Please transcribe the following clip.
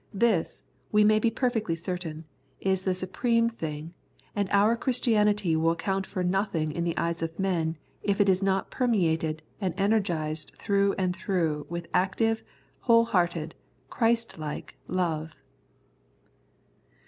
This, we may be perfectly certain, is the supreme thing, and our Christianity will count for nothing in the eyes of men if it is not per meated and energised through and through with active, whole hearted, Christ like love.